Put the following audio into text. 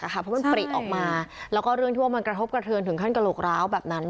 เพราะมันปริออกมาแล้วก็เรื่องที่ว่ามันกระทบกระเทือนถึงขั้นกระโหลกร้าวแบบนั้น